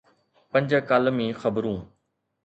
پنج ڪالمي خبرون.